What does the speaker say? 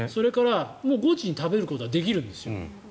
５時に食べることはできるんですよ。